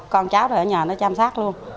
con cháu ở nhà nó chăm sóc luôn